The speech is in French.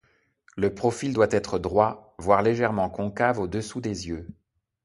Le profil doit être droit, voire légèrement concave au-dessous des yeux.